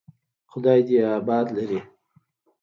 خداى دې يې اباد لري.